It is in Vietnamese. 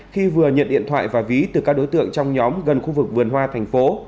khi vừa nhận điện thoại và ví từ các đối tượng trong nhóm gần khu vực vườn hoa thành phố